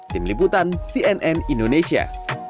tim liputan cnn indonesia